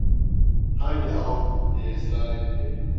"Haydi, al!" diye ısrar etti.